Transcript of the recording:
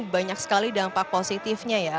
banyak sekali dampak positifnya ya